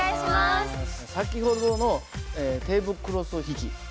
先ほどのテーブルクロス引き。